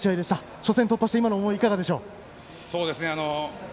初戦を突破して今の思いいかがでしょう？